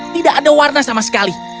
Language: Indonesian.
tidak ada warna sama sekali